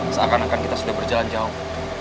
seakan akan kita sudah berjalan jauh